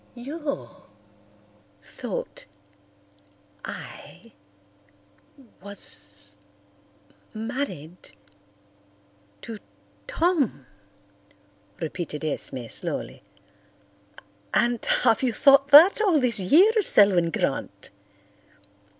"You—thought—I—was—married—to—Tom!" repeated Esme slowly. "And have you thought that all these years, Selwyn Grant?"